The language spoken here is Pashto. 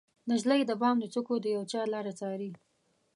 نجلۍ د بام د څوکو د یوچا لاره څارې